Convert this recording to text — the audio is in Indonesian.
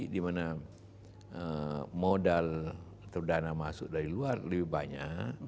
dimana modal atau dana masuk dari luar lebih banyak